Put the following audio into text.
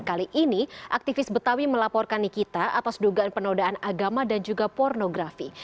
kali ini aktivis betawi melaporkan nikita atas dugaan penodaan agama dan juga pornografi